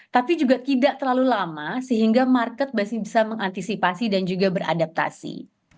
tapi juga tidak terlalu lama sehingga market masih bisa mengantisipasi dan juga beradaptasi